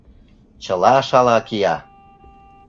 Чыла шала кия.